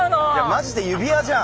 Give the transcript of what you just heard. マジで指輪じゃん！